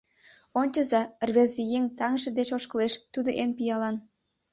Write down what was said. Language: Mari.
— Ончыза, рвезыеҥ таҥже деч ошкылеш, тудо эн пиалан.